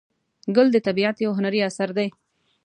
ګل د طبیعت یو هنري اثر دی.